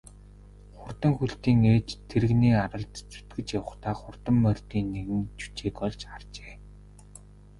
Хурдан хөлтийн ээж тэрэгний аралд зүтгэж явахдаа хурдан морьдын нэгэн жүчээг олж харжээ.